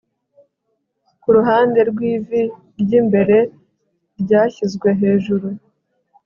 Kuruhande rwivi ryimbere ryashyizwe hejuru